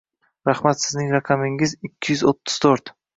Rahmat. Sizning raqamingiz ikki yuz o'ttiz to'rt.